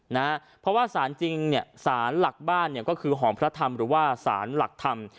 นะฮะเพราะว่าสารจริงเนี่ยสารหลักบ้านเนี่ยก็คือหอมพระธรรมหรือว่าสารหลักธรรม